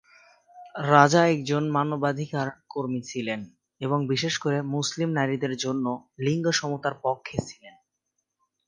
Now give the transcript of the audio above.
রাজা একজন মানবাধিকার কর্মী ছিলেন এবং বিশেষ করে মুসলিম নারীদের জন্য লিঙ্গ সমতার পক্ষে ছিলেন।